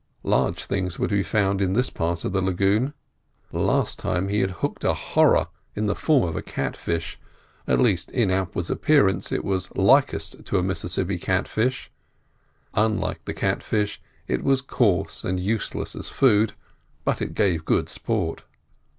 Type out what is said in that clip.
Large things were to be found in this part of the lagoon. The last time he had hooked a horror in the form of a cat fish; at least in outward appearance it was likest to a Mississippi cat fish. Unlike the cat fish, it was coarse and useless as food, but it gave good sport.